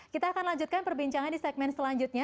kita akan lanjutkan perbincangan di segmen selanjutnya